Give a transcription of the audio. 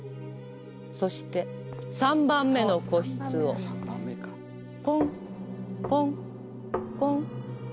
そして３番目の個室をコンコンコン。